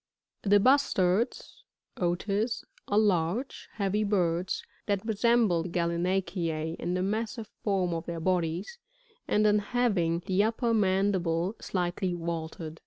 The Bustards, — 0/w, — are large, heavy birds that resem* ble the Gallinaceae in the massive form of their bodies, and in having the upper mandible slightly vaulted.